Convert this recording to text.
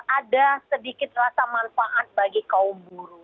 ada sedikit rasa manfaat bagi kaum buruh